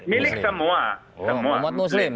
milik semua oh umat muslim